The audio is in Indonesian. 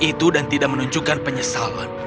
bohong tentang itu dan tidak menunjukkan penyesalan